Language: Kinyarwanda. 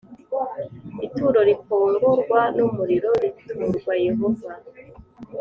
ituro rikongorwa n umuriro riturwa Yehova